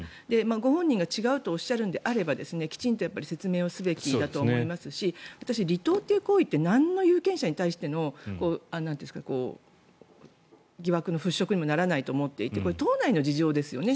ご本人が違うとおっしゃるのであればきちんと説明をすべきだと思いますし私、離党という行為って有権者に対してのなんの疑惑の払しょくにもならないと思っていてこれ、党内の事情ですよね。